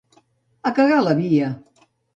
A cagar a la via!